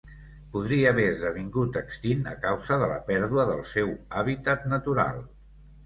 Podria haver esdevingut extint a causa de la pèrdua del seu hàbitat natural.